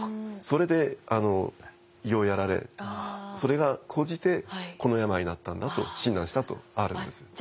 それで胃をやられそれがこうじてこの病になったんだと診断したとあるんです。